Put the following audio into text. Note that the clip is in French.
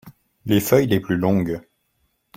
Les feuilles les plus longues.